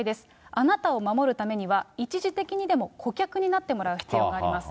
あなたを守るためには、一時的にでも顧客になってもらう必要があります。